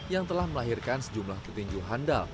yang telah melahirkan sejumlah petinju handal